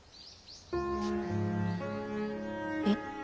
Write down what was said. えっ。